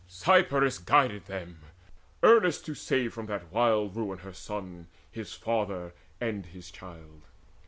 Cypris guided them, Earnest to save from that wild ruin her son, His father, and his child.